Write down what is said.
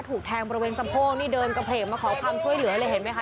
ถูกแทงบริเวณสะโพกนี่เดินกระเพลกมาขอความช่วยเหลือเลยเห็นไหมคะ